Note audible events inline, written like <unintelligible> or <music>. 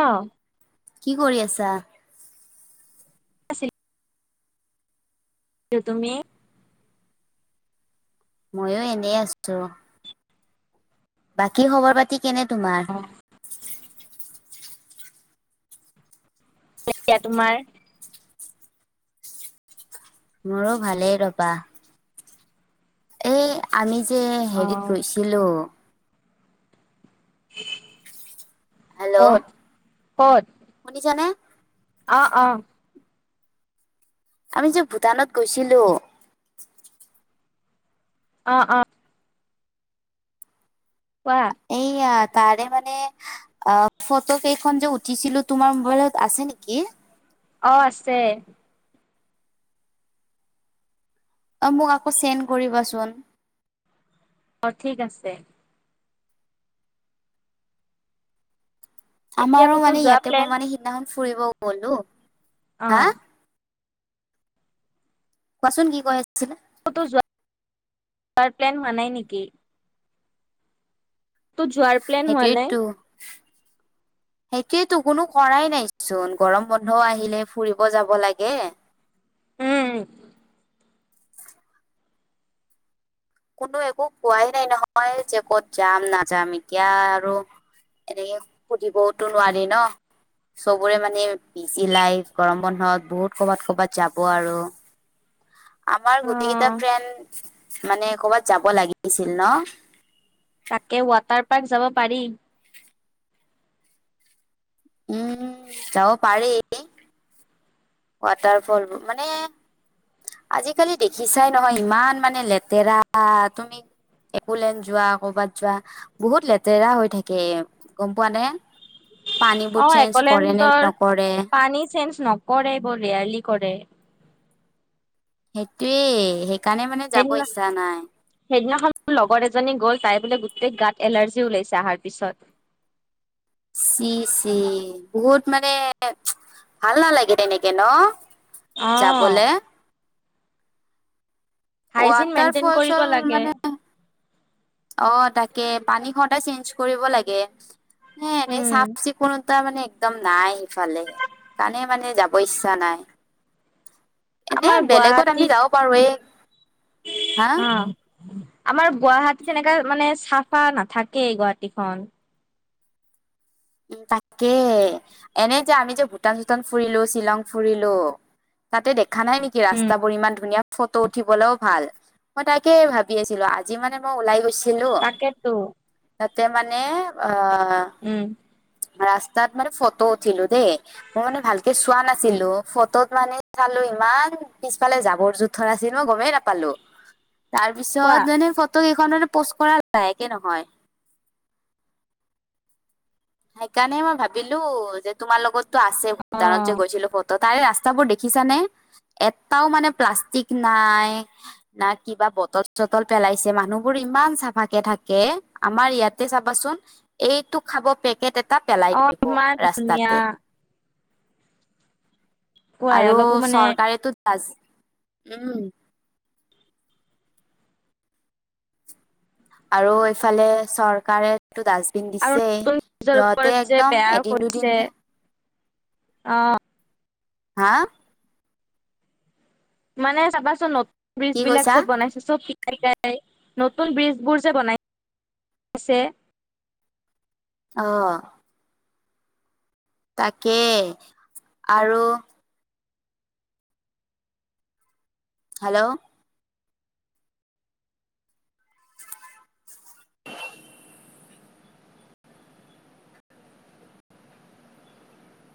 অহ কি কৰি আছা <inaudible> আছে কিটো তুমি ময়ো এনেই আছো বাকী খবৰ পাতি কেনে তোমাৰ? এতিয়া এতিয়া তোমাৰ মোৰো ভালেই ৰ'বা। এ আমি যে অ হেৰিত ৰুইছিলো হেল্লো' ক'ত ক'ত শুনিছানে অ' অ'। আমি যে ভূটানত গৈছিলোঁ অ' অ'। কোৱা। এইয়া তাৰে মানে অ', ফটোকেইখন যে উঠিছিলো, তোমাৰ মোবাইলত আছে নেকি? অ', আছে। অ' মোক আকৌ চেণ্ড কৰিবাচোন। অ' ঠিক আছে। এতিয়া আমাৰো ক'তো মানে যোৱা ইয়াতে মই প্লেন মানে সিদিনাখন ফুৰিব গ'লো হা অ'। কোৱাচোন কি কৈ আছিলে তো যোৱাৰ প্লেন হোৱা নাই নেকি? টো যোৱাৰ প্লেন হোৱা নাই? <inaudible> সেইটোয়েতো কোনো কৰাই নাইচোন গৰম বন্ধও আহিলে ফুৰিব যাব লাগে উম। কোনো একো কোৱাই নাই নহয় যে ক'ত যাম নাযাম এতিয়া আৰু এনেকে সুধিবওতো নোৱাৰি ন চবৰে মানে বিজি লাইফ, গৰমবন্ধ বহুত কৰ'বাত কৰ'বাত যাব আৰু। আমাৰ অ গোটেইকেইটা ফ্ৰেণ্ড মানে কৰ'বাত যাব লাগিছিল, ন। তাকে ৱাটাৰ পাৰ্ক যাব পাৰি। উম যাব পাৰি। ৱাটাৰফল, মানে আজিকালি দেখিছাই নহয় ইমান মানে লেতেৰা, তুমি একোলেন যোৱা কৰবাত যোৱা বহুত লেতেৰা হৈ থাকে, গম পোৱা নে? পানীবোৰ অ', চেঞ্জ কৰে নে একলেন্ডৰ নকৰে পানী চেন নকৰে বলিয়ালি কৰে। সেইটোৱেই সেই সেইদিনা, সেইদিনাখন মোৰ লগৰ এজনী গ'ল তাইৰ বোলে গোটেই গাত এলাৰ্জি ওলাইছে অহাৰ পিছত চি চি, বহুত মানে ভাল নালাগে তেনেকে, ন যাবলে অ'। হাইজিন মেইনটেইন ৱাটাৰফল কৰিব চল লাগে মানে অ', তাকে পানী খতে চেঞ্জ কৰিব লাগে, এনেই উম চাফ চিকুণ তাৰমানে একদম নাই সিফালে, কাৰণে মানে যাব ইচ্ছা নাই। এনে আমাৰ বেলেগত আমি গুৱাহাটীত যাব পাৰোঁ, এ অ'। আমাৰ গুৱাহাটীত এনেকা মানে চাফা নাথাকেই গুৱাহাটীখন তাকে, এনেই যে আমি যে ভূটান চুটান ফুৰিলোঁ, শ্বিলং ফুৰিলোঁ। তাতে দেখা নাই নেকি উম ৰাস্তাবোৰ ইমান ধুনীয়া। ফটো উঠিবলৈও ভাল, মই তাকে ভাবি আছিলোঁ, আজি মানে মই ওলাই গৈছি তাকেতো। মানে উম। ৰাস্তাত মানে ফটো উঠিলোঁ দেই, মই মানে ভালকে চোৱা নাছিলো ফটোত মানে চাল ইমান পিছফালে জাবৰ জোথৰ আছিল মই গমেই নাপালো। <inaudible> তাৰ কোৱা পিছত মানে ফটো কেইখনত পোষ্ট কৰাইে নহয়। সেইকাৰণে মই ভাবিলো যে তোমাৰ লগতটো আছে অ ভূটানত যে গৈছিলোত ত, তাৰে ৰাস্তাবোৰ দেখিছানে? এটাও মানে প্লাষ্টিক নাই না কিবা বটল চটল পেলাইছে মানুহবোৰে ইমান চাফা কেে থাকে আমাৰ ইয়াতে চাবাচোন এইটো খাব। তটা পেলাই অ দিব ইমান ধুনীয়া ৰাস্তাতে কোৱাই আৰু অলপো মানে চৰকাৰেেতো উম, আৰু এইফালে চৰকাৰে টো ডাষ্টবিন আৰু দিছেই নতুন ব্ৰিজৰ ওপৰত সিহতে একদম এদিন দুদিনে অহ ', হাহ। মানে চাবাচোন নতুন ব্ৰিজ কি বিলাক কৈছা যে বনাইছে চব নাই নতুন বীজবোৰ যে বনাইছে <unintelligible> অহ ', তাকে আৰু হেল্ল',